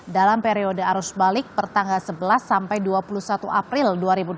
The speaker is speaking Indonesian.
dalam periode arus balik pertanggal sebelas sampai dua puluh satu april dua ribu dua puluh